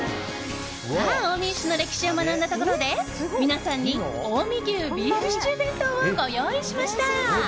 近江牛の歴史を学んだところで皆さんに近江牛ビーフシチュー弁当をご用意しました。